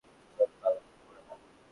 Simba, লজ্জা করে না!